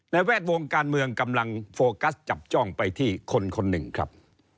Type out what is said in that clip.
แวดวงการเมืองกำลังโฟกัสจับจ้องไปที่คนคนหนึ่งครับ